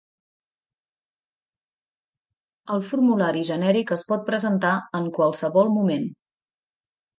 El formulari genèric es pot presentar en qualsevol moment.